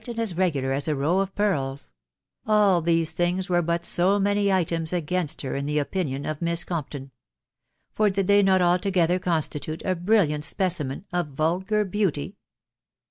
and. as regular, as a. row of pearls,— all these things: were but so many items against her in the opinion of Miss Gomptan; for did theynotahogether couBlitule a brilliant specimen of vctlgar beauty